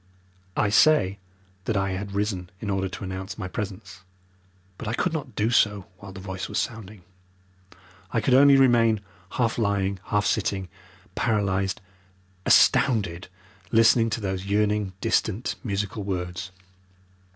I say that I had risen in order to announce my presence, but I could not do so while the voice was sounding. I could only remain half lying, half sitting, paralysed, astounded, listening to those yearning distant musical words.